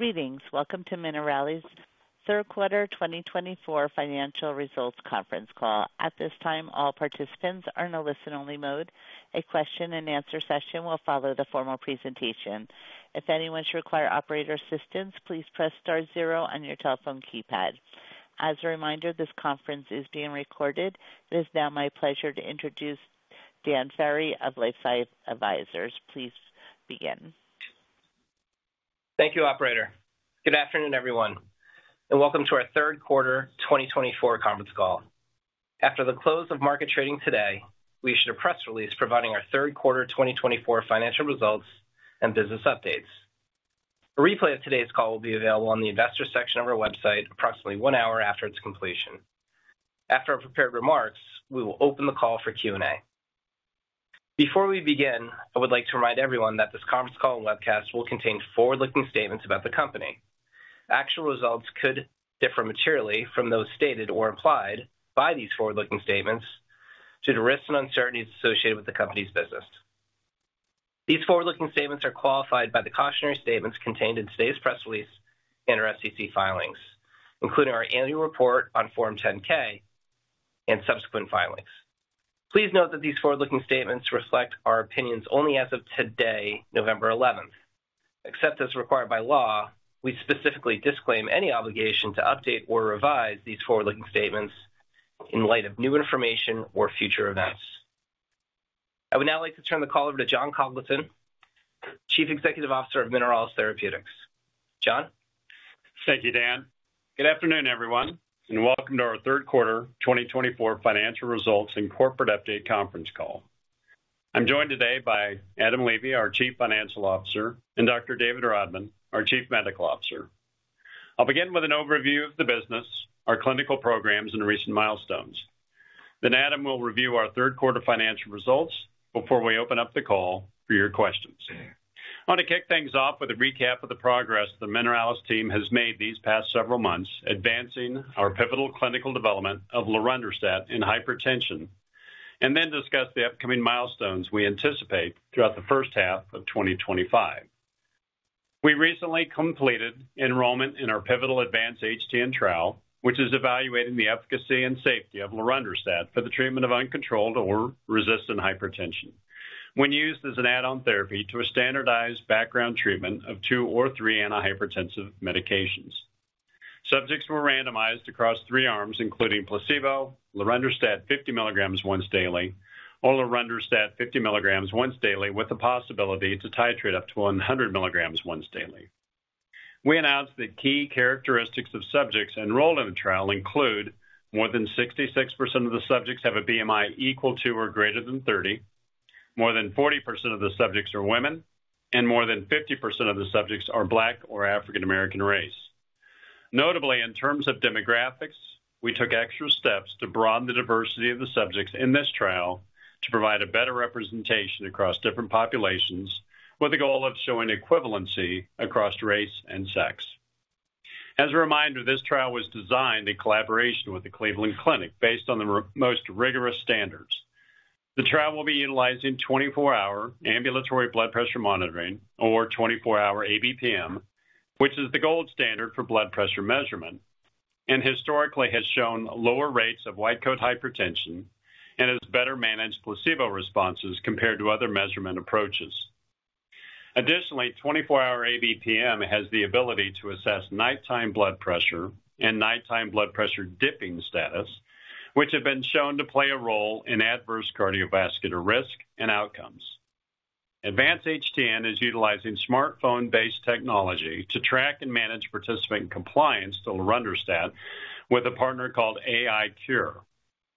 Greetings. Welcome to Mineralys Therapeutics' 2024 Financial Results Conference Call. At this time, all participants are in a listen-only mode. A question-and-answer session will follow the formal presentation. If anyone should require operator assistance, please press star zero on your telephone keypad. As a reminder, this conference is being recorded. It is now my pleasure to introduce Dan Ferry of LifeSci Advisors. Please begin. Thank you, Operator. Good afternoon, everyone, and welcome to our third quarter 2024 conference call. After the close of market trading today, we issued a press release providing our third quarter 2024 financial results and business updates. A replay of today's call will be available on the investor section of our website approximately one hour after its completion. After our prepared remarks, we will open the call for Q&A. Before we begin, I would like to remind everyone that this conference call and webcast will contain forward-looking statements about the company. Actual results could differ materially from those stated or implied by these forward-looking statements due to risks and uncertainties associated with the company's business. These forward-looking statements are qualified by the cautionary statements contained in today's press release and our SEC filings, including our annual report on Form 10-K and subsequent filings. Please note that these forward-looking statements reflect our opinions only as of today, November 11th. Except as required by law, we specifically disclaim any obligation to update or revise these forward-looking statements in light of new information or future events. I would now like to turn the call over to John Congleton, Chief Executive Officer of Mineralys Therapeutics. John? Thank you, Dan. Good afternoon, everyone, and welcome to our third quarter 2024 financial results and corporate update conference call. I'm joined today by Adam Levy, our Chief Financial Officer, and Dr. David Rodman, our Chief Medical Officer. I'll begin with an overview of the business, our clinical programs, and recent milestones. Then Adam will review our third quarter financial results before we open up the call for your questions. I want to kick things off with a recap of the progress the Mineralys team has made these past several months advancing our pivotal clinical development of lorundrostat in hypertension and then discuss the upcoming milestones we anticipate throughout the first half of 2025. We recently completed enrollment in our pivotal Advance-HTN trial, which is evaluating the efficacy and safety of lorundrostat for the treatment of uncontrolled or resistant hypertension when used as an add-on therapy to a standardized background treatment of two or three antihypertensive medications. Subjects were randomized across three arms, including placebo, lorundrostat 50 mg once daily, or lorundrostat 50 mg once daily with the possibility to titrate up to 100 mg once daily. We announced the key characteristics of subjects enrolled in the trial include more than 66% of the subjects have a BMI equal to or greater than 30, more than 40% of the subjects are women, and more than 50% of the subjects are Black or African American race. Notably, in terms of demographics, we took extra steps to broaden the diversity of the subjects in this trial to provide a better representation across different populations with the goal of showing equivalency across race and sex. As a reminder, this trial was designed in collaboration with the Cleveland Clinic based on the most rigorous standards. The trial will be utilizing 24-hour ambulatory blood pressure monitoring, or 24-hour ABPM, which is the gold standard for blood pressure measurement and historically has shown lower rates of white coat hypertension and has better managed placebo responses compared to other measurement approaches. Additionally, 24-hour ABPM has the ability to assess nighttime blood pressure and nighttime blood pressure dipping status, which have been shown to play a role in adverse cardiovascular risk and outcomes. Advance-HTN is utilizing smartphone-based technology to track and manage participant compliance to lorundrostat with a partner called AiCure,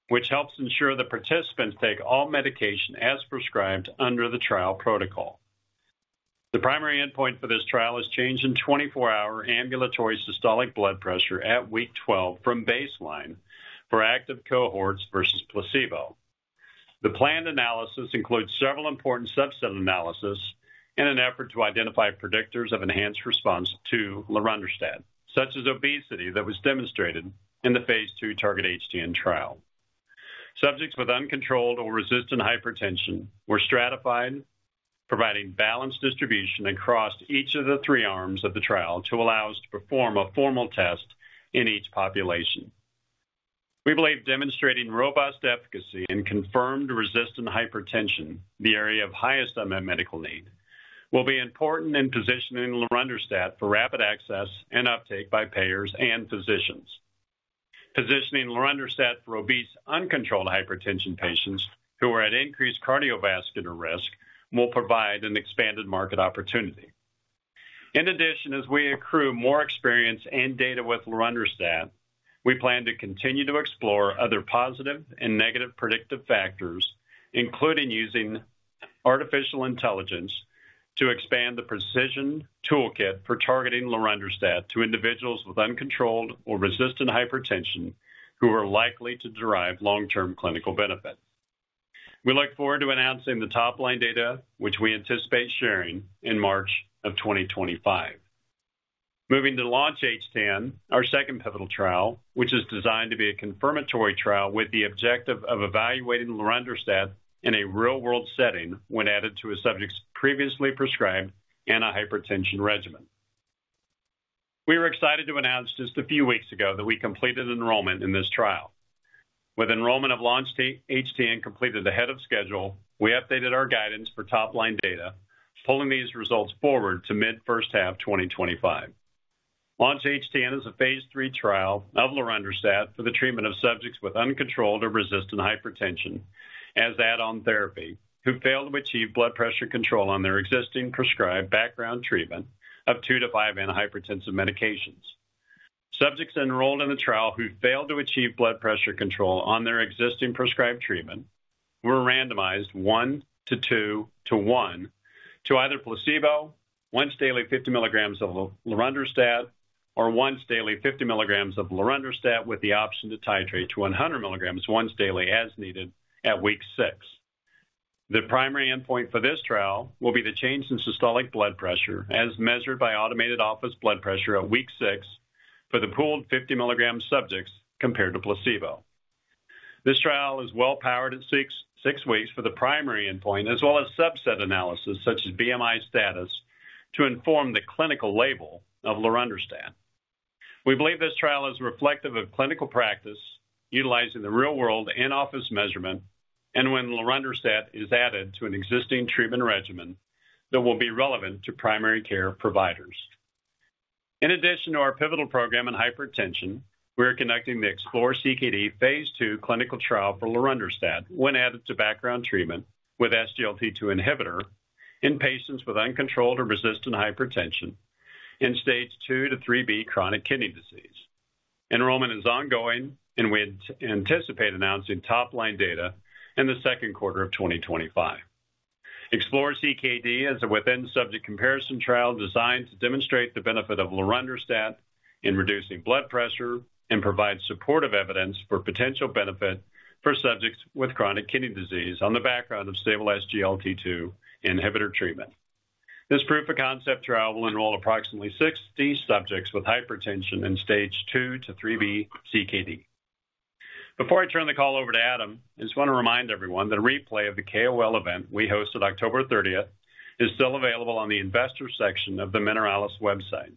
which helps ensure the participants take all medication as prescribed under the trial protocol. The primary endpoint for this trial is change in 24-hour ambulatory systolic blood pressure at week 12 from baseline for active cohorts versus placebo. The planned analysis includes several important subset analyses in an effort to identify predictors of enhanced response to lorundrostat, such as obesity that was demonstrated in the phase II Target-HTN trial. Subjects with uncontrolled or resistant hypertension were stratified, providing balanced distribution across each of the three arms of the trial to allow us to perform a formal test in each population. We believe demonstrating robust efficacy in confirmed resistant hypertension, the area of highest unmet medical need, will be important in positioning lorundrostat for rapid access and uptake by payers and physicians. Positioning lorundrostat for obese uncontrolled hypertension patients who are at increased cardiovascular risk will provide an expanded market opportunity. In addition, as we accrue more experience and data with lorundrostat, we plan to continue to explore other positive and negative predictive factors, including using artificial intelligence to expand the precision toolkit for targeting lorundrostat to individuals with uncontrolled or resistant hypertension who are likely to derive long-term clinical benefit. We look forward to announcing the top line data, which we anticipate sharing in March of 2025. Moving to Launch-HTN, our second pivotal trial, which is designed to be a confirmatory trial with the objective of evaluating lorundrostat in a real-world setting when added to a subject's previously prescribed antihypertensive regimen. We were excited to announce just a few weeks ago that we completed enrollment in this trial. With enrollment of Launch-HTN completed ahead of schedule, we updated our guidance for top line data, pulling these results forward to mid-first half 2025. Launch-HTN is a phase III trial of lorundrostat for the treatment of subjects with uncontrolled or resistant hypertension as add-on therapy who failed to achieve blood pressure control on their existing prescribed background treatment of two to five antihypertensive medications. Subjects enrolled in the trial who failed to achieve blood pressure control on their existing prescribed treatment were randomized one to two to one to either placebo, once daily 50 mg of lorundrostat, or once daily 50 mg of lorundrostat with the option to titrate to 100 mg once daily as needed at week six. The primary endpoint for this trial will be the change in systolic blood pressure as measured by automated office blood pressure at week six for the pooled 50 mg subjects compared to placebo. This trial is well-powered at six weeks for the primary endpoint, as well as subset analysis such as BMI status to inform the clinical label of lorundrostat. We believe this trial is reflective of clinical practice utilizing the real-world in-office measurement and when lorundrostat is added to an existing treatment regimen that will be relevant to primary care providers. In addition to our pivotal program in hypertension, we are conducting the Explore-CKD phase II clinical trial for lorundrostat when added to background treatment with SGLT2 inhibitor in patients with uncontrolled or resistant hypertension in stage two to three B chronic kidney disease. Enrollment is ongoing, and we anticipate announcing top line data in the second quarter of 2025. Explore-CKD is a within-subject comparison trial designed to demonstrate the benefit of lorundrostat in reducing blood pressure and provide supportive evidence for potential benefit for subjects with chronic kidney disease on the background of stable SGLT2 inhibitor treatment. This proof of concept trial will enroll approximately 60 subjects with hypertension in stage 2 to 3B CKD. Before I turn the call over to Adam, I just want to remind everyone that a replay of the KOL event we hosted October 30th is still available on the investor section of the Mineralys website.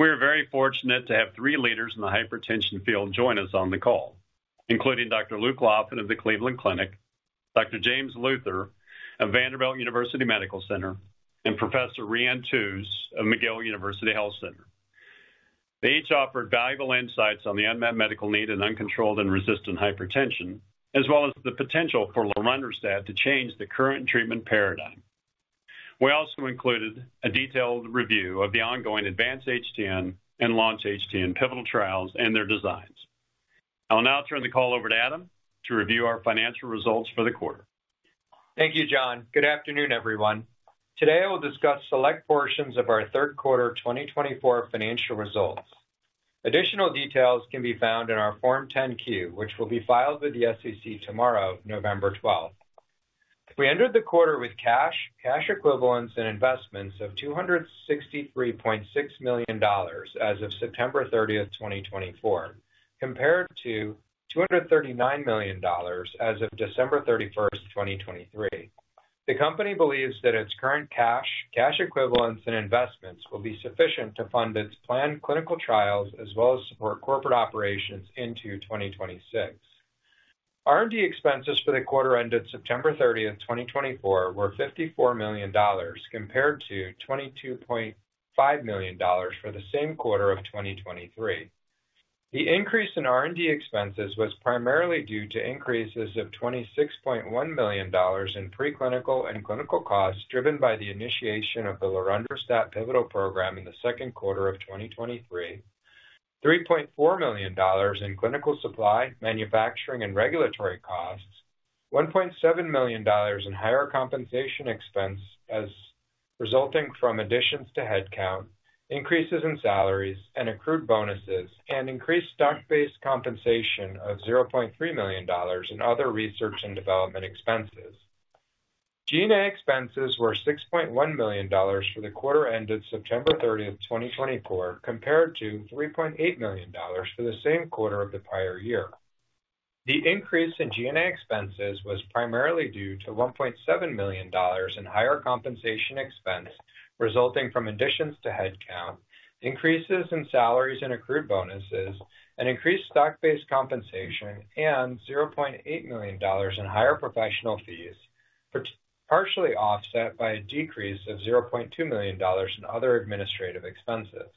We are very fortunate to have three leaders in the hypertension field join us on the call, including Dr. Luke Laffin of the Cleveland Clinic, Dr. James Luther of Vanderbilt University Medical Center, and Professor Rhian Touyz of McGill University Health Centre. They each offered valuable insights on the unmet medical need in uncontrolled and resistant hypertension, as well as the potential for lorundrostat to change the current treatment paradigm. We also included a detailed review of the ongoing Advance-HTN and Launch-HTN pivotal trials and their designs. I'll now turn the call over to Adam to review our financial results for the quarter. Thank you, John. Good afternoon, everyone. Today, I will discuss select portions of our third quarter 2024 financial results. Additional details can be found in our Form 10-Q, which will be filed with the SEC tomorrow, November 12th. We entered the quarter with cash, cash equivalents, and investments of $263.6 million as of September 30th, 2024, compared to $239 million as of December 31st, 2023. The company believes that its current cash, cash equivalents, and investments will be sufficient to fund its planned clinical trials as well as support corporate operations into 2026. R&D expenses for the quarter ended September 30th, 2024, were $54 million compared to $22.5 million for the same quarter of 2023. The increase in R&D expenses was primarily due to increases of $26.1 million in preclinical and clinical costs driven by the initiation of the lorundrostat pivotal program in the second quarter of 2023, $3.4 million in clinical supply, manufacturing, and regulatory costs, $1.7 million in higher compensation expense as resulting from additions to headcount, increases in salaries and accrued bonuses, and increased stock-based compensation of $0.3 million in other research and development expenses. G&A expenses were $6.1 million for the quarter ended September 30th, 2024, compared to $3.8 million for the same quarter of the prior year. The increase in G&A expenses was primarily due to $1.7 million in higher compensation expense resulting from additions to headcount, increases in salaries and accrued bonuses, and increased stock-based compensation, and $0.8 million in higher professional fees, partially offset by a decrease of $0.2 million in other administrative expenses.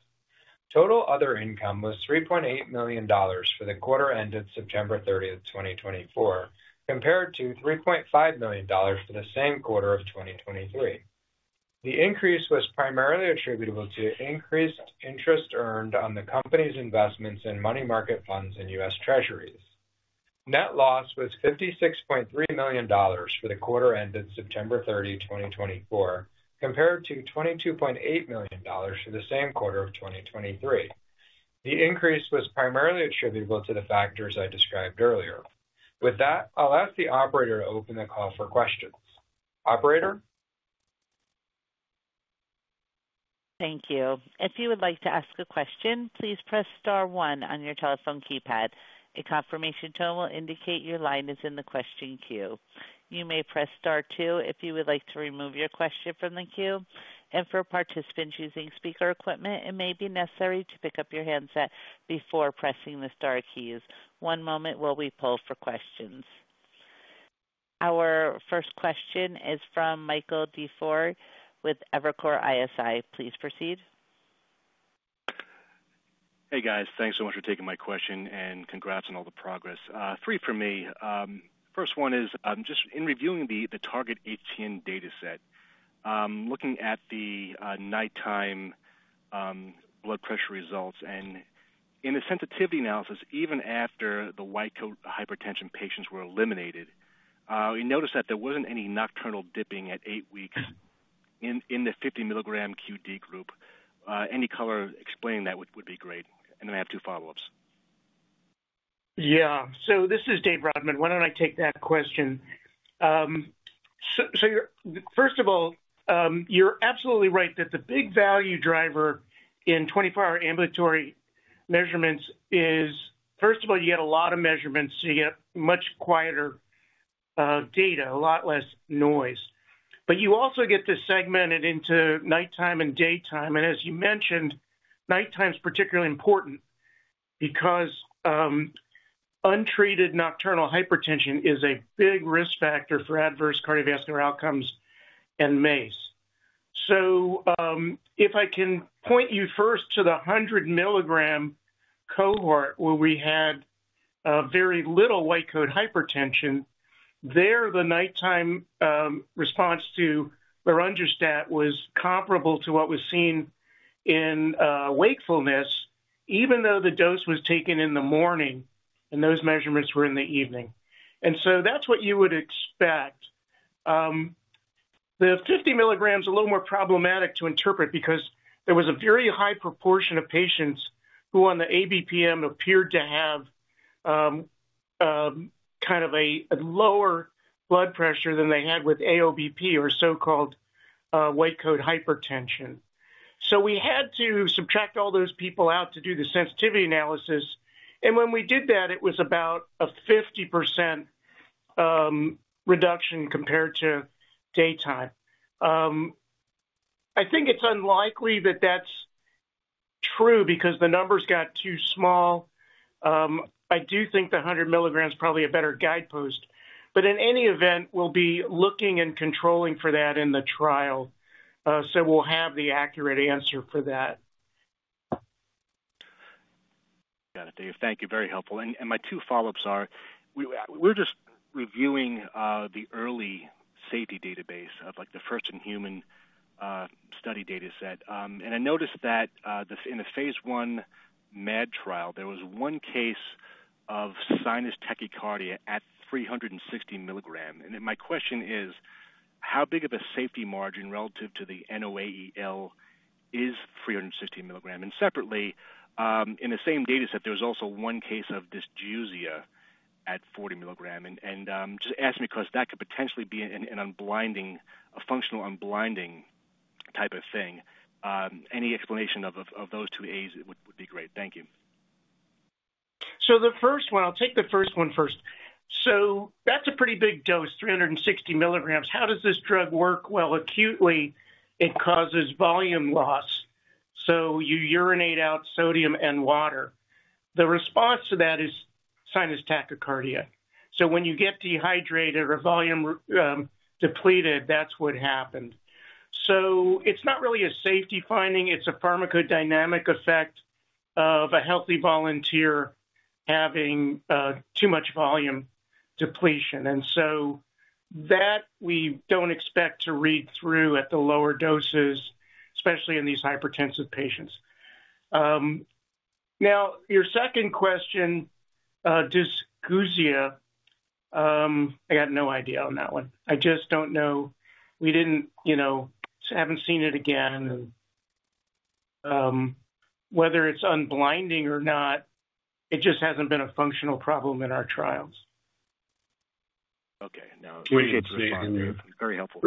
Total other income was $3.8 million for the quarter ended September 30th, 2024, compared to $3.5 million for the same quarter of 2023. The increase was primarily attributable to increased interest earned on the company's investments in money market funds and U.S. Treasuries. Net loss was $56.3 million for the quarter ended September 30th, 2024, compared to $22.8 million for the same quarter of 2023. The increase was primarily attributable to the factors I described earlier. With that, I'll ask the operator to open the call for questions. Operator? Thank you. If you would like to ask a question, please press star one on your telephone keypad. A confirmation tone will indicate your line is in the question queue. You may press star two if you would like to remove your question from the queue. And for participants using speaker equipment, it may be necessary to pick up your handset before pressing the star keys. One moment while we pull for questions. Our first question is from Michael DiFiore with Evercore ISI. Please proceed. Hey, guys. Thanks so much for taking my question and congrats on all the progress. Three for me. First one is just in reviewing the Target-HTN data set, looking at the nighttime blood pressure results and in the sensitivity analysis, even after the white coat hypertension patients were eliminated, we noticed that there wasn't any nocturnal dipping at eight weeks in the 50 mg QD group. Any color explaining that would be great. And then I have two follow-ups. Yeah. So this is Dave Rodman. Why don't I take that question? So first of all, you're absolutely right that the big value driver in 24-hour ambulatory measurements is, first of all, you get a lot of measurements, so you get much quieter data, a lot less noise. But you also get to segment it into nighttime and daytime. And as you mentioned, nighttime is particularly important because untreated nocturnal hypertension is a big risk factor for adverse cardiovascular outcomes and MACE. So if I can point you first to the 100 mg cohort where we had very little white coat hypertension, there the nighttime response to lorundrostat was comparable to what was seen in wakefulness, even though the dose was taken in the morning and those measurements were in the evening. And so that's what you would expect. The 50 mg is a little more problematic to interpret because there was a very high proportion of patients who on the ABPM appeared to have kind of a lower blood pressure than they had with AOBP or so-called white coat hypertension. So we had to subtract all those people out to do the sensitivity analysis. And when we did that, it was about a 50% reduction compared to daytime. I think it's unlikely that that's true because the numbers got too small. I do think the 100 mg is probably a better guidepost. But in any event, we'll be looking and controlling for that in the trial so we'll have the accurate answer for that. Got it, Dave. Thank you. Very helpful. My two follow-ups are, we're just reviewing the early safety database of the first-in-human study data set. I noticed that in the phase I MAD trial, there was one case of sinus tachycardia at 360 mg. My question is, how big of a safety margin relative to the NOAEL is 360 mg? Separately, in the same data set, there was also one case of dysgeusia at 40 mg. Just asking because that could potentially be a functional unblinding type of thing. Any explanation of those two AEs would be great. Thank you. The first one, I'll take the first one first. That's a pretty big dose, 360 mg. How does this drug work? Well, acutely, it causes volume loss. So you urinate out sodium and water. The response to that is sinus tachycardia. So when you get dehydrated or volume depleted, that's what happened. So it's not really a safety finding. It's a pharmacodynamic effect of a healthy volunteer having too much volume depletion. And so that we don't expect to read through at the lower doses, especially in these hypertensive patients. Now, your second question, dysgeusia, I got no idea on that one. I just don't know. We haven't seen it again. Whether it's unblinding or not, it just hasn't been a functional problem in our trials. Okay. Now.Appreciate it. Very helpful.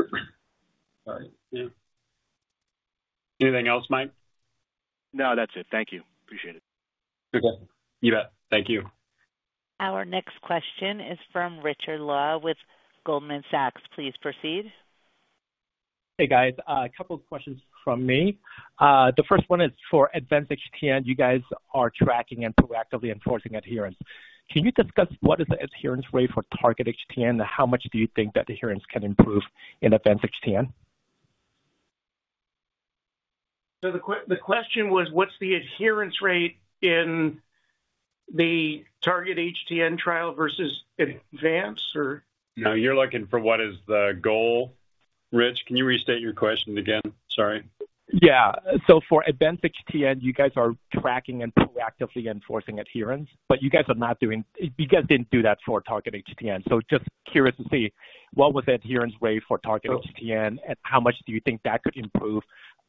Anything else, Mike? No, that's it. Thank you. Appreciate it. Okay. You bet. Thank you. Our next question is from Richard Law with Goldman Sachs. Please proceed. Hey, guys. A couple of questions from me. The first one is for Advance-HTN. You guys are tracking and proactively enforcing adherence. Can you discuss what is the adherence rate for Target-HTN and how much do you think that adherence can improve in Advance-HTN? So the question was, what's the adherence rate in the Target-HTN trial versus Advance-HTN, or? No, you're looking for what is the goal. Rich, can you restate your question again? Sorry. Yeah. So for Advance-HTN, you guys are tracking and proactively enforcing adherence, but you guys didn't do that for Target-HTN. So just curious to see what was the adherence rate for Target-HTN and how much do you think that could improve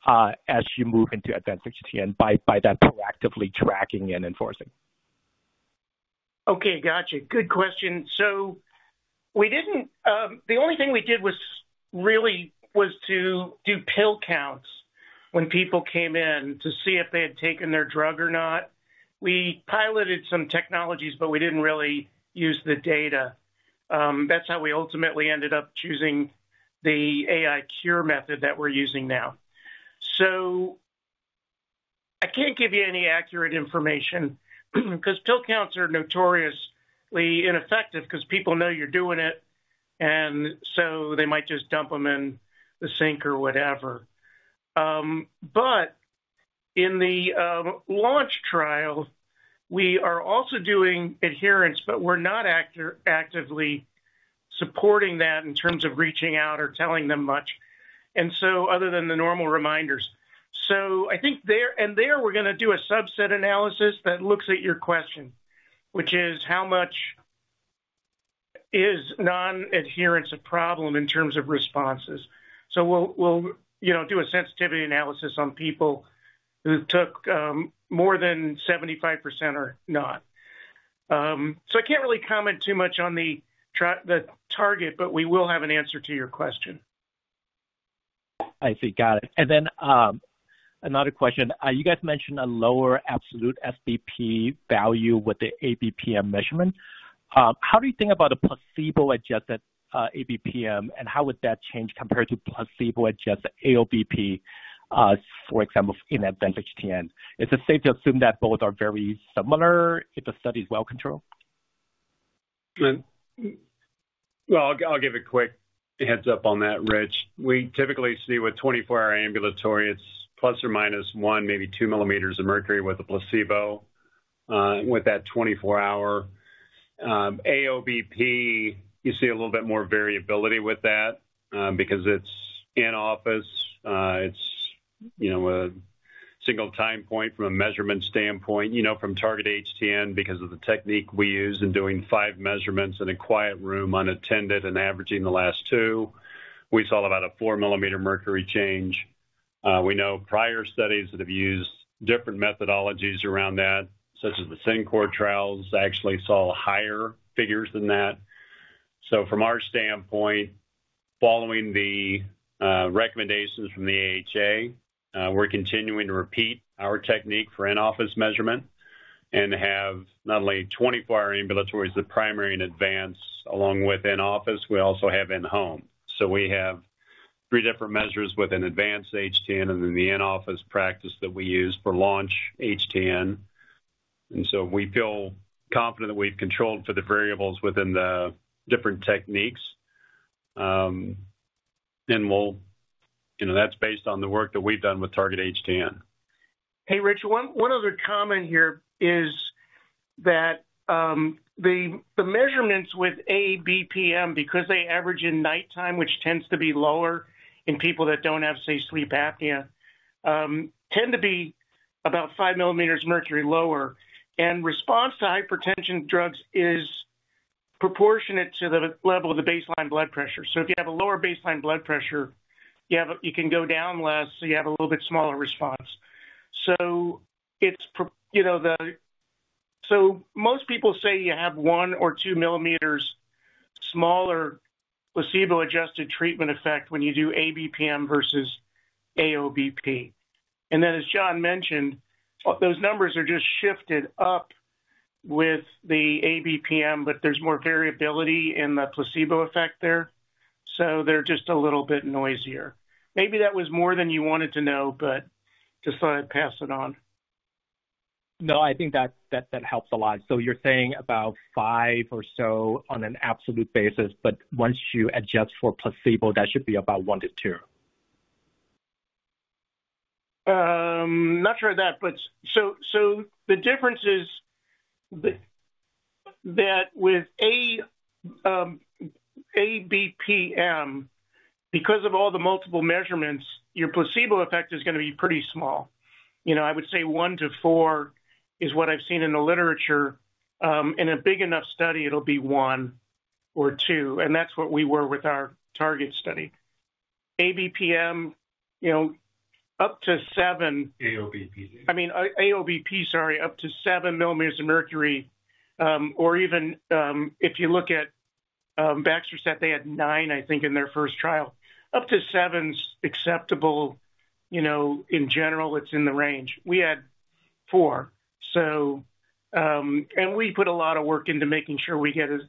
as you move into Advance-HTN by that proactively tracking and enforcing? Okay. Gotcha. Good question. So the only thing we did really was to do pill counts when people came in to see if they had taken their drug or not. We piloted some technologies, but we didn't really use the data. That's how we ultimately ended up choosing the AiCure method that we're using now. So I can't give you any accurate information because pill counts are notoriously ineffective because people know you're doing it, and so they might just dump them in the sink or whatever, but in the Launch trial, we are also doing adherence, but we're not actively supporting that in terms of reaching out or telling them much, and so other than the normal reminders, and there we're going to do a subset analysis that looks at your question, which is how much is non-adherence a problem in terms of responses. We'll do a sensitivity analysis on people who took more than 75% or not. I can't really comment too much on the target, but we will have an answer to your question. I see. Got it. And then another question. You guys mentioned a lower absolute SBP value with the ABPM measurement. How do you think about a placebo-adjusted ABPM, and how would that change compared to placebo-adjusted AOBP, for example, in Advance-HTN? Is it safe to assume that both are very similar if the study is well controlled? I'll give a quick heads-up on that, Rich. We typically see with 24-hour ambulatory, it's plus or minus 1, maybe 2 mmHg with a placebo with that 24-hour AOBP, you see a little bit more variability with that because it's in-office. It's a single time point from a measurement standpoint. From Target-HTN, because of the technique we use in doing five measurements in a quiet room unattended and averaging the last two, we saw about a 4-mmHg change. We know prior studies that have used different methodologies around that, such as the SPRINT trials, actually saw higher figures than that. So from our standpoint, following the recommendations from the AHA, we're continuing to repeat our technique for in-office measurement and have not only 24-hour ambulatories as the primary and Advance-HTN along with in-office. We also have in-home. So we have three different measures within Advance-HTN and then the in-office practice that we use for Launch-HTN. And so we feel confident that we've controlled for the variables within the different techniques. And that's based on the work that we've done with Target-HTN. Hey, Rich, one other comment here is that the measurements with ABPM, because they average in nighttime, which tends to be lower in people that don't have, say, sleep apnea, tend to be about 5 mmHg lower. And response to hypertension drugs is proportionate to the level of the baseline blood pressure. So if you have a lower baseline blood pressure, you can go down less, so you have a little bit smaller response. So most people say you have one or two millimeters smaller placebo-adjusted treatment effect when you do ABPM versus AOBP. And then, as John mentioned, those numbers are just shifted up with the ABPM, but there's more variability in the placebo effect there. So they're just a little bit noisier. Maybe that was more than you wanted to know, but just thought I'd pass it on. No, I think that helps a lot. So you're saying about five or so on an absolute basis, but once you adjust for placebo, that should be about one to two. Not sure of that. So the difference is that with ABPM, because of all the multiple measurements, your placebo effect is going to be pretty small. I would say one to four is what I've seen in the literature. In a big enough study, it'll be one or two. And that's what we were with our target study. ABPM, up to seven. AOBP. I mean, AOBP, sorry, up to 7 mmHg. Or even if you look at baxdrostat, they had nine, I think, in their first trial. Up to seven is acceptable. In general, it's in the range. We had four. And we put a lot of work into making sure we get the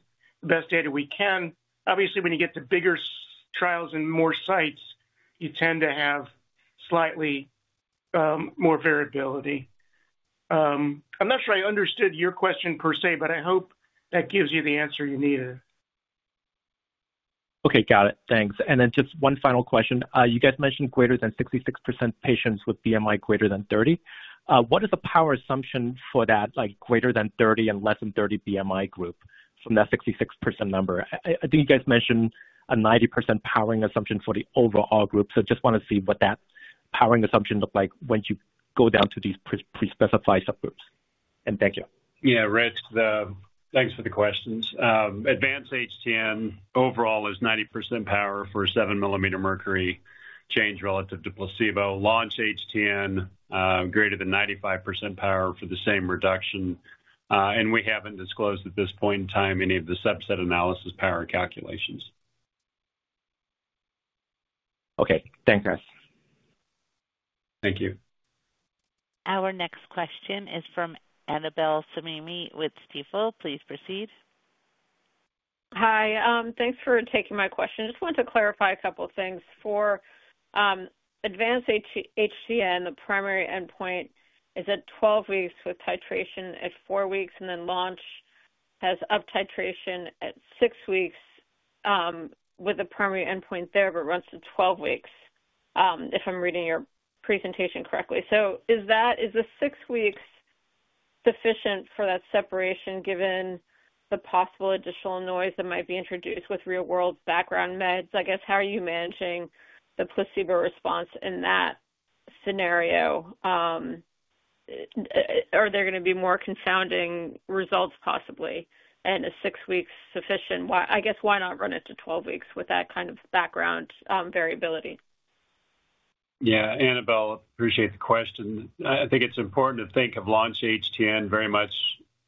best data we can. Obviously, when you get to bigger trials and more sites, you tend to have slightly more variability. I'm not sure I understood your question per se, but I hope that gives you the answer you needed. Okay. Got it. Thanks. And then just one final question. You guys mentioned greater than 66% patients with BMI greater than 30. What is the power assumption for that greater than 30 and less than 30 BMI group from that 66% number? I think you guys mentioned a 90% powering assumption for the overall group. So I just want to see what that powering assumption looks like once you go down to these pre-specified subgroups. And thank you. Yeah, Rich, thanks for the questions. Advance-HTN overall is 90% power for a 7-mmHg change relative to placebo. Launch-HTN greater than 95% power for the same reduction, and we haven't disclosed at this point in time any of the subset analysis power calculations. Okay. Thanks, guys. Thank you. Our next question is from Annabel Samimy with Stifel. Please proceed. Hi. Thanks for taking my question. Just wanted to clarify a couple of things. For Advance-HTN, the primary endpoint is at 12 weeks with titration at four weeks, and then Launch has up titration at six weeks with the primary endpoint there, but runs to 12 weeks, if I'm reading your presentation correctly. So is the six weeks sufficient for that separation given the possible additional noise that might be introduced with real-world background meds? I guess, how are you managing the placebo response in that scenario? Are there going to be more confounding results possibly? And is six weeks sufficient? I guess, why not run it to 12 weeks with that kind of background variability? Yeah. Annabel, appreciate the question. I think it's important to think of Launch-HTN very much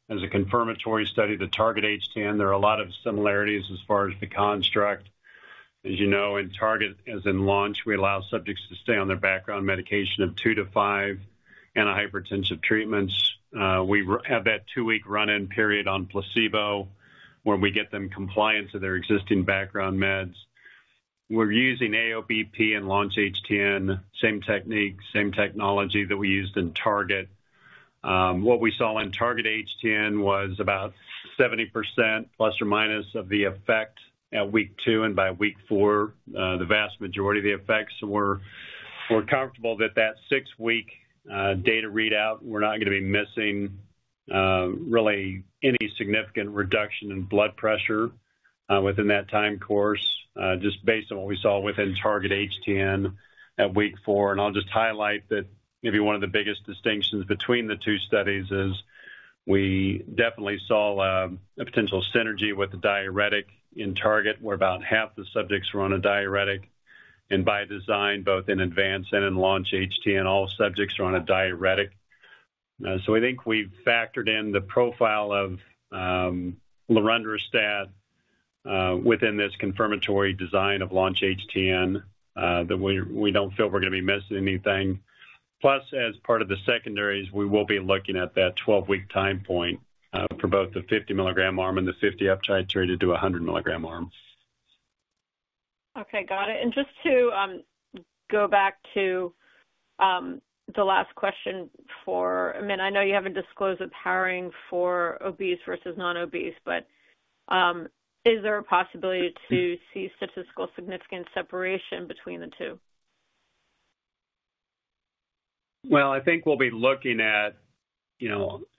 as a confirmatory study to Target-HTN. There are a lot of similarities as far as the construct. As you know, in Target-HTN as in Launch-HTN, we allow subjects to stay on their background medication of two to five antihypertensive treatments. We have that two-week run-in period on placebo where we get them compliant to their existing background meds. We're using AOBP in Launch-HTN, same technique, same technology that we used in Target-HTN. What we saw in Target-HTN was about 70% plus or minus of the effect at week two. And by week four, the vast majority of the effects. We're comfortable that that six-week data readout, we're not going to be missing really any significant reduction in blood pressure within that time course, just based on what we saw within Target-HTN at week four, and I'll just highlight that maybe one of the biggest distinctions between the two studies is we definitely saw a potential synergy with the diuretic in Target-HTN where about half the subjects were on a diuretic, and by design, both in Advance-HTN and in Launch-HTN, all subjects were on a diuretic, so I think we've factored in the profile of lorundrostat within this confirmatory design of Launch-HTN that we don't feel we're going to be missing anything. Plus, as part of the secondaries, we will be looking at that 12-week time point for both the 50-mg arm and the 50-mg up-titrated to 100-mg arm. Okay. Got it. And just to go back to the last question, for I mean, I know you haven't disclosed the powering for obese versus non-obese, but is there a possibility to see statistical significance separation between the two? I think we'll be looking at,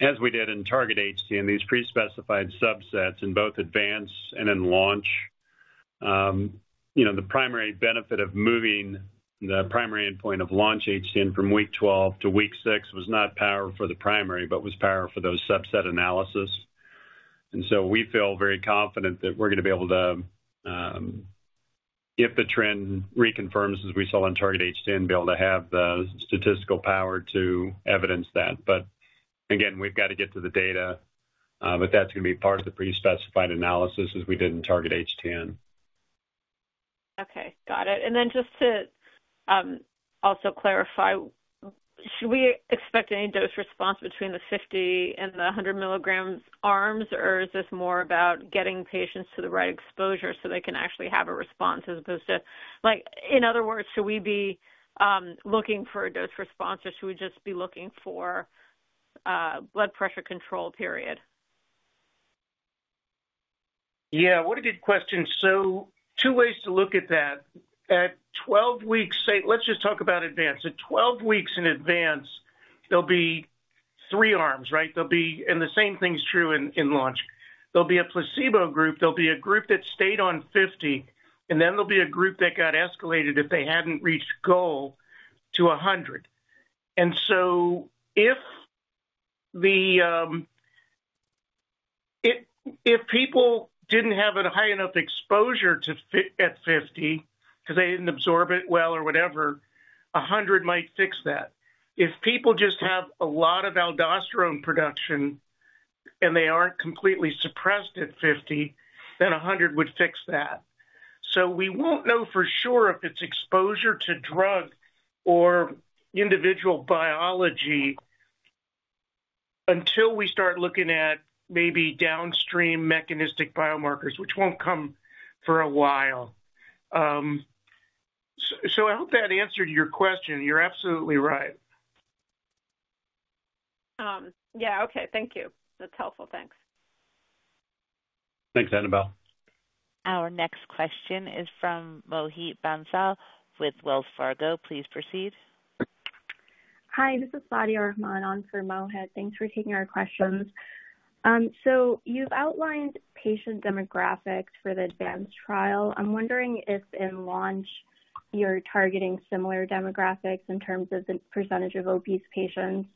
as we did in Target-HTN, these pre-specified subsets in both Advance-HTN and in Launch-HTN. The primary benefit of moving the primary endpoint of Launch-HTN from week 12 to week 6 was not power for the primary, but was power for those subset analysis. We feel very confident that we're going to be able to, if the trend reconfirms as we saw in Target-HTN, be able to have the statistical power to evidence that. Again, we've got to get to the data, but that's going to be part of the pre-specified analysis as we did in Target-HTN. Okay. Got it. And then just to also clarify, should we expect any dose response between the 50 mg and the 100 mg arms, or is this more about getting patients to the right exposure so they can actually have a response as opposed to, in other words, should we be looking for a dose response, or should we just be looking for blood pressure control, period? Yeah. What a good question. So two ways to look at that. At 12 weeks, say, let's just talk about Advance. At 12 weeks in Advance, there'll be three arms, right? And the same thing's true in Launch. There'll be a placebo group. There'll be a group that stayed on 50 mg, and then there'll be a group that got escalated if they hadn't reached goal to 100 mg. And so if people didn't have a high enough exposure at 50 mg because they didn't absorb it well or whatever, 100 mg might fix that. If people just have a lot of aldosterone production and they aren't completely suppressed at 50 mg, then 100 mg would fix that. So we won't know for sure if it's exposure to drug or individual biology until we start looking at maybe downstream mechanistic biomarkers, which won't come for a while. So I hope that answered your question. You're absolutely right. Yeah. Okay. Thank you. That's helpful. Thanks. Thanks, Annabelle. Our next question is from Mohit Bansal with Wells Fargo. Please proceed. Hi. This is Sadia Rahman on for Mohit. Thanks for taking our questions. So you've outlined patient demographics for the Advance-HTN trial. I'm wondering if in Launch-HTN you're targeting similar demographics in terms of the percentage of obese patients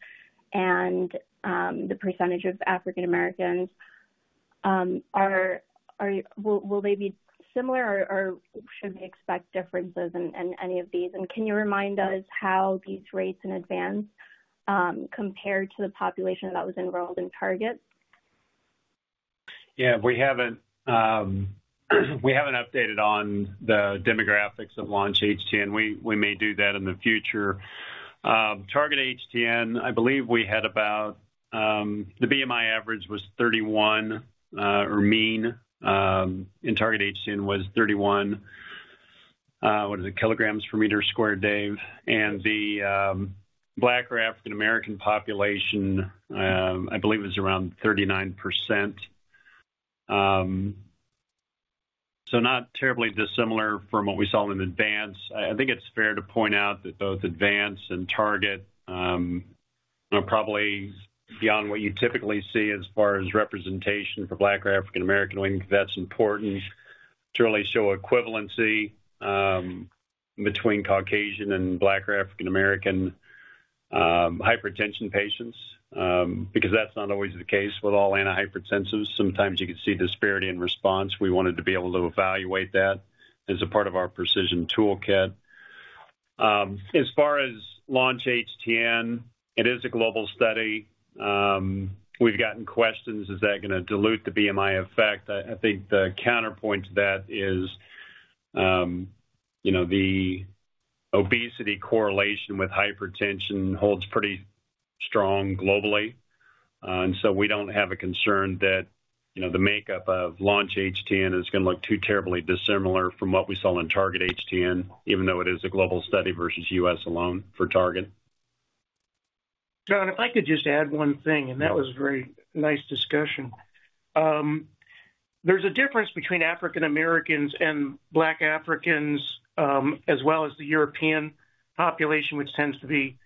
and the percentage of African Americans. Will they be similar, or should we expect differences in any of these? And can you remind us how these rates in Advance-HTN compare to the population that was enrolled in Target-HTN? Yeah. We haven't updated on the demographics of Launch-HTN. We may do that in the future. Target-HTN, I believe we had about the BMI average was 31 or mean. In Target-HTN was 31, what is it, kilograms per meter squared. The Black or African American population, I believe it was around 39%. So not terribly dissimilar from what we saw in Advance-HTN. I think it's fair to point out that both Advance-HTN and Target-HTN are probably beyond what you typically see as far as representation for Black or African American. We think that's important to really show equivalency between Caucasian and Black or African American hypertension patients because that's not always the case with all antihypertensives. Sometimes you can see disparity in response. We wanted to be able to evaluate that as a part of our precision toolkit. As far as Launch-HTN, it is a global study. We've gotten questions, is that going to dilute the BMI effect? I think the counterpoint to that is the obesity correlation with hypertension holds pretty strong globally, and so we don't have a concern that the makeup of Launch-HTN is going to look too terribly dissimilar from what we saw in Target-HTN, even though it is a global study versus U.S. alone for Target. John, if I could just add one thing, and that was a very nice discussion. There's a difference between African Americans and Black Africans as well as the European population, which tends to be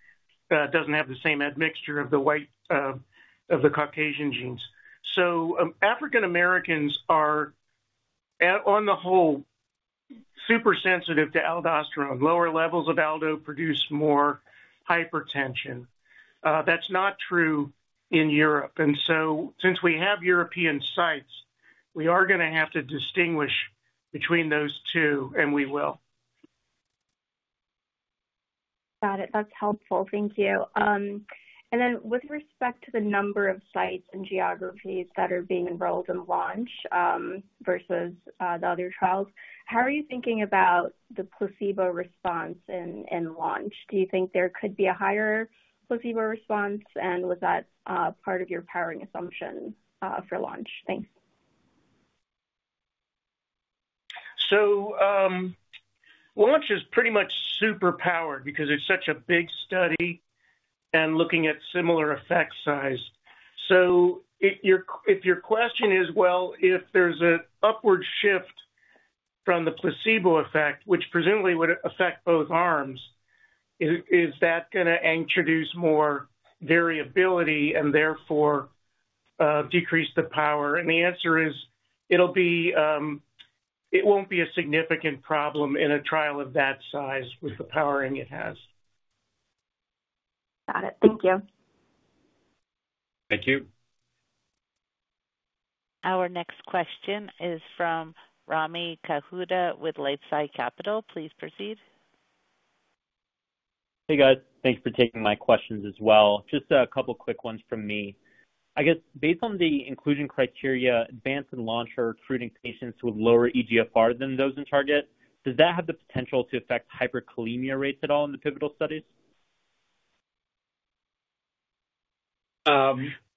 doesn't have the same admixture of the white of the Caucasian genes. So African Americans are, on the whole, super sensitive to aldosterone. Lower levels of aldo produce more hypertension. That's not true in Europe, and so since we have European sites, we are going to have to distinguish between those two, and we will. Got it. That's helpful. Thank you. And then with respect to the number of sites and geographies that are being enrolled in Launch versus the other trials, how are you thinking about the placebo response in Launch? Do you think there could be a higher placebo response, and was that part of your powering assumption for Launch? Thanks. So Launch is pretty much super-powered because it's such a big study and looking at similar effect size. So if your question is, well, if there's an upward shift from the placebo effect, which presumably would affect both arms, is that going to introduce more variability and therefore decrease the power? And the answer is it won't be a significant problem in a trial of that size with the powering it has. Got it. Thank you. Thank you. Our next question is from Rami Katkhuda with LifeSci Capital. Please proceed. Hey, guys. Thanks for taking my questions as well. Just a couple of quick ones from me. I guess, based on the inclusion criteria, Advance and Launch are recruiting patients with lower eGFR than those in Target. Does that have the potential to affect hyperkalemia rates at all in the pivotal studies?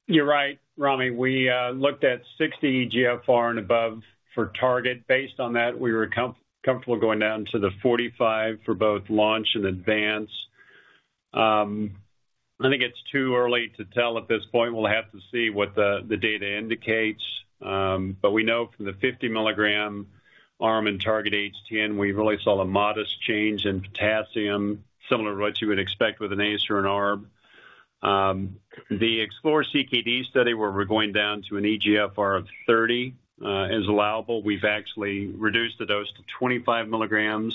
You're right, Rami. We looked at 60 eGFR and above for Target-HTN. Based on that, we were comfortable going down to the 45 for both Launch-HTN and Advance-HTN. I think it's too early to tell at this point. We'll have to see what the data indicates. But we know from the 50-mg arm and Target-HTN, we really saw a modest change in potassium, similar to what you would expect with an ACE or an ARB. The Explore-CKD study where we're going down to an eGFR of 30 is allowable. We've actually reduced the dose to 25 mg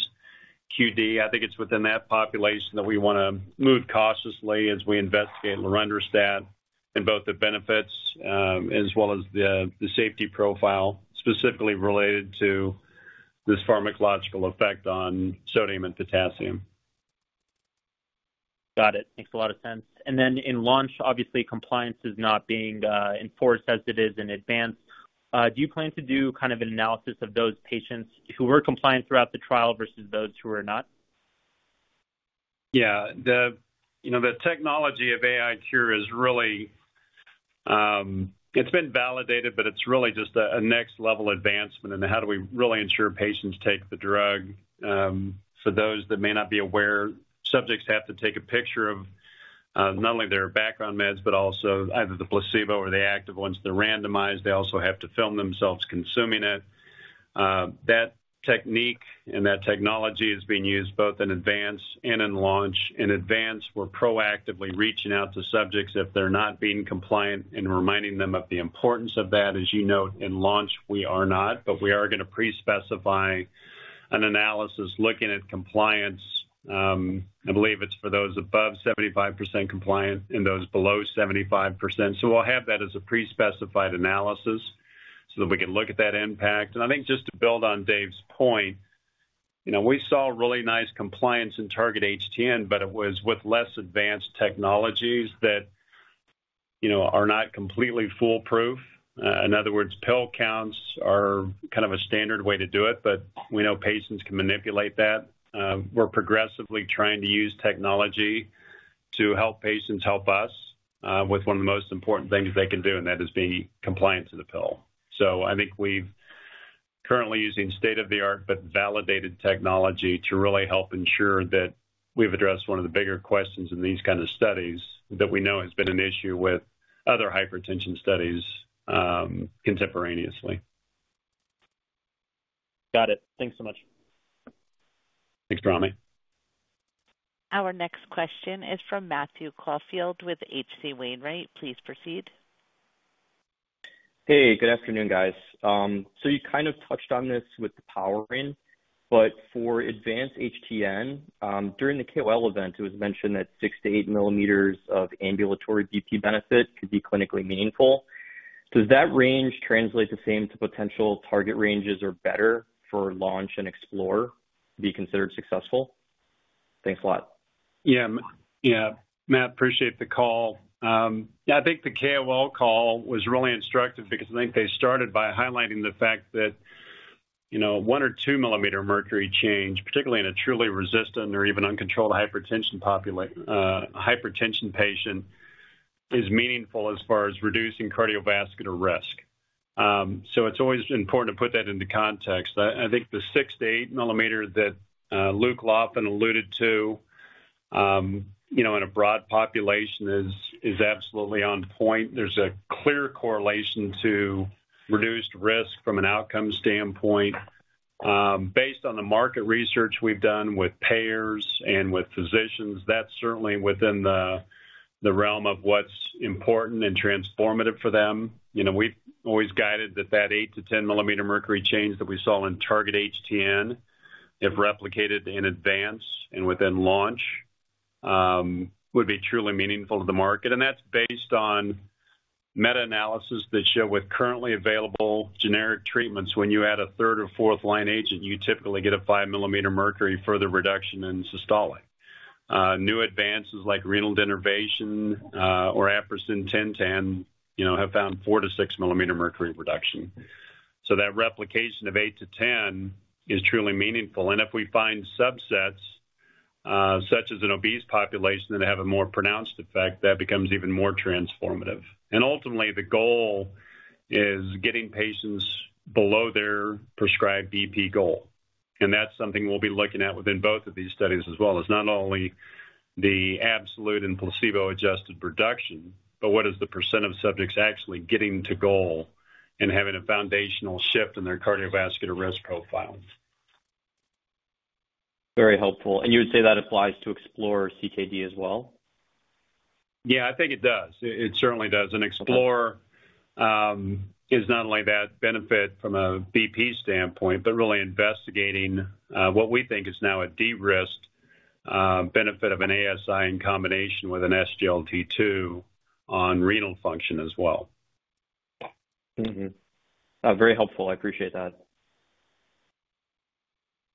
QD. I think it's within that population that we want to move cautiously as we investigate lorundrostat and both the benefits as well as the safety profile specifically related to this pharmacological effect on sodium and potassium. Got it. Makes a lot of sense. And then in Launch-HTN, obviously, compliance is not being enforced as it is in Advance-HTN. Do you plan to do kind of an analysis of those patients who were compliant throughout the trial versus those who are not? Yeah. The technology of AiCure is really it's been validated, but it's really just a next-level advancement in how do we really ensure patients take the drug. For those that may not be aware, subjects have to take a picture of not only their background meds, but also either the placebo or the active ones. They're randomized. They also have to film themselves consuming it. That technique and that technology is being used both in Advance and in Launch. In Advance, we're proactively reaching out to subjects if they're not being compliant and reminding them of the importance of that. As you note, in Launch, we are not, but we are going to pre-specify an analysis looking at compliance. I believe it's for those above 75% compliant and those below 75%. So we'll have that as a pre-specified analysis so that we can look at that impact. And I think just to build on Dave's point, we saw really nice compliance in Target-HTN, but it was with less advanced technologies that are not completely foolproof. In other words, pill counts are kind of a standard way to do it, but we know patients can manipulate that. We're progressively trying to use technology to help patients help us with one of the most important things they can do, and that is being compliant to the pill. So I think we've currently using state-of-the-art but validated technology to really help ensure that we've addressed one of the bigger questions in these kinds of studies that we know has been an issue with other hypertension studies contemporaneously. Got it. Thanks so much. Thanks, Rami. Our next question is from Matthew Caulfield with H.C. Wainwright. Please proceed. Hey, good afternoon, guys. So you kind of touched on this with the powering, but for Advance-HTN, during the KOL event, it was mentioned that 6 mm to 8 mm of ambulatory BP benefit could be clinically meaningful. Does that range translate the same to potential target ranges or better for Launch-HTN and Explore-CKD to be considered successful? Thanks a lot. Matt, appreciate the call. Yeah. I think the KOL call was really instructive because I think they started by highlighting the fact that one or 2-mmHg change, particularly in a truly resistant or even uncontrolled hypertension patient, is meaningful as far as reducing cardiovascular risk. So it's always important to put that into context. I think the 6-mmHg to 8-mmHg that Luke Laffin alluded to in a broad population is absolutely on point. There's a clear correlation to reduced risk from an outcome standpoint. Based on the market research we've done with payers and with physicians, that's certainly within the realm of what's important and transformative for them. We've always guided that that 8-mmHg to 10-mmHg change that we saw in Target-HTN, if replicated in Advance-HTN and Launch-HTN, would be truly meaningful to the market. That's based on meta-analysis that show with currently available generic treatments, when you add a third or fourth line agent, you typically get a 5 mm Hg further reduction in systolic. New advances like renal denervation or aprocitentan have found 4 mmHg-6 mmHg reduction. That replication of 8 mmHg-10 mmHg is truly meaningful. If we find subsets such as an obese population that have a more pronounced effect, that becomes even more transformative. Ultimately, the goal is getting patients below their prescribed BP goal. That's something we'll be looking at within both of these studies as well. It's not only the absolute and placebo-adjusted reduction, but what is the percentage of subjects actually getting to goal and having a foundational shift in their cardiovascular risk profiles. Very helpful. And you would say that applies to Explore-CKD as well? Yeah. I think it does. It certainly does. And Explore is not only that benefit from a BP standpoint, but really investigating what we think is now a de-risk benefit of an ASI in combination with an SGLT2 on renal function as well. Very helpful. I appreciate that.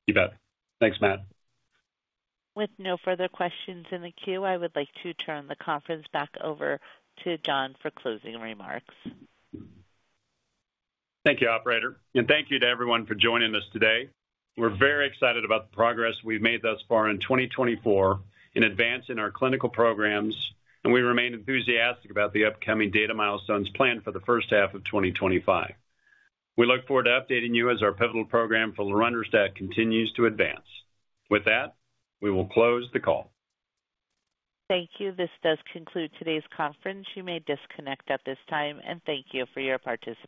You bet. Thanks, Matt. With no further questions in the queue, I would like to turn the conference back over to John for closing remarks. Thank you, operator, and thank you to everyone for joining us today. We're very excited about the progress we've made thus far in 2024 in advancing our clinical programs, and we remain enthusiastic about the upcoming data milestones planned for the first half of 2025. We look forward to updating you as our pivotal program for lorundrostat continues to advance. With that, we will close the call. Thank you. This does conclude today's conference. You may disconnect at this time, and thank you for your participation.